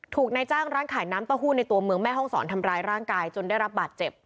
นายจ้างร้านขายน้ำเต้าหู้ในตัวเมืองแม่ห้องศรทำร้ายร่างกายจนได้รับบาดเจ็บ